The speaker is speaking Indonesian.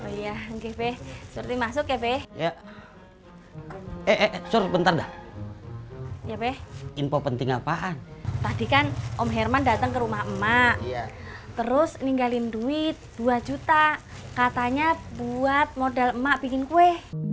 high dishes emangee p nah depressed sur dimasuk template yak eh bentar hai ya be